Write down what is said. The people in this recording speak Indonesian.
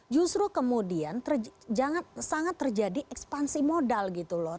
justru kemudian sangat terjadi ekspansi modal gitu loh